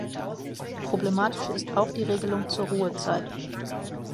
Problematisch ist auch die Regelung zur Ruhezeit.